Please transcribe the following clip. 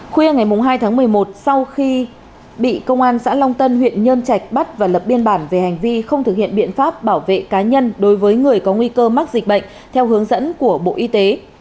khuya ngày hai tháng một mươi một sau khi bị công an xã long tân huyện nhân trạch bắt và lập biên bản về hành vi không thực hiện biện pháp bảo vệ cá nhân đối với người có nguy cơ mắc dịch bệnh theo hướng dẫn của bộ y tế